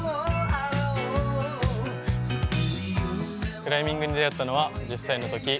クライミングに出会ったのは１０歳のとき。